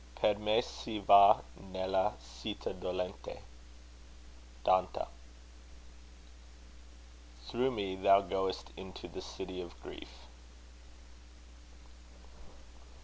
Per me si va nella citta dolente. DANTE Through me thou goest into the city of grief.